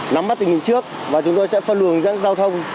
nắm mắt tình hình trước và chúng tôi sẽ phân luồng dẫn giao thông